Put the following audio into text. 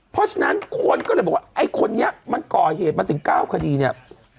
เพราะฉะนั้นคนก็เลยบอกว่าไอ้คนนี้มันก่อเหตุมาถึง๙คดีเนี่ย